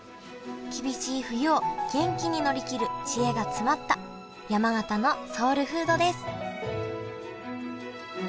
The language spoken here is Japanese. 厳しい冬を元気に乗り切る知恵が詰まった山形のソウルフードです